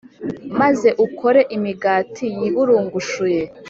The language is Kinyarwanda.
Maze ukore imigati yiburungushuye